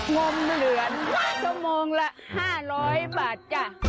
งมเหลือนชั่วโมงละ๕๐๐บาทจ้ะ